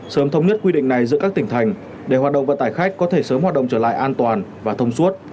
sớm thống nhất quy định này giữa các tỉnh thành để hoạt động vận tải khách có thể sớm hoạt động trở lại an toàn và thông suốt